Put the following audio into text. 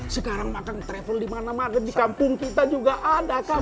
sekarang maka travel dimana mana di kampung kita juga ada kak